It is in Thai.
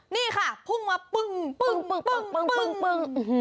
นี่ค่ะพุ่งมาปึ้งปึ้ง